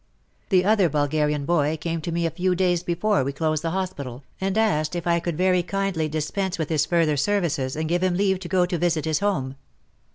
The other Bulgarian boy came to me a few days before we closed the hospital, and asked if I could very kindly dispense with his further services and give him leave to go to visit his home.